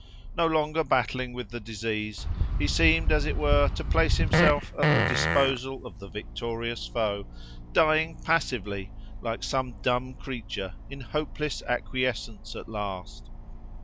No longer battling with the disease, he seemed as it were to place himself at the disposal of the victorious foe, dying passively, like some dumb creature, in hopeless acquiescence at last.